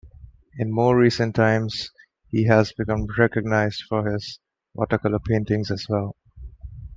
In more recent times, he has become recognised for his watercolour paintings as well.